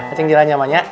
acing jalan jamanya